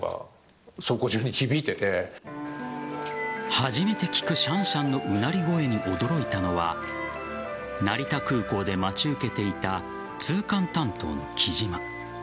初めて聞くシャンシャンのうなり声に驚いたのは成田空港で待ち受けていた通関担当の来島。